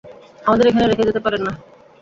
আমাদের এখানে রেখে যেতে পারেন না।